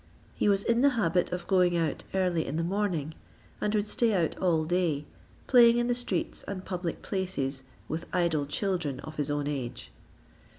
He was in the habit of going out early in the morning, and would stay out all day, playing in the streets and public places with idle children of his own age.